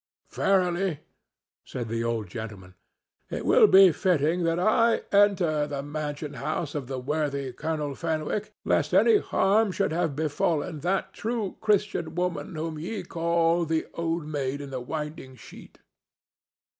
"Verily," said the old gentleman, "it will be fitting that I enter the mansion house of the worthy Colonel Fenwicke, lest any harm should have befallen that true Christian woman whom ye call the 'Old Maid in the Winding Sheet.